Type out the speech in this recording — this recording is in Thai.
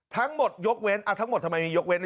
ทั้งหมดยกเว้นทั้งหมดทำไมมียกเว้น